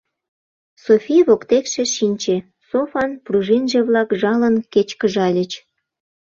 Софи воктекше шинче, софан пружинже-влак жалын кечкыжальыч.